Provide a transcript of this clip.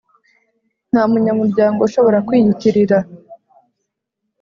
Nta munyamuryango ushobora kwiyitirira